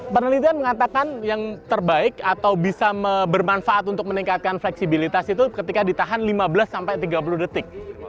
penelitian mengatakan yang terbaik atau bisa bermanfaat untuk meningkatkan fleksibilitas itu ketika ditahan lima belas sampai tiga puluh detik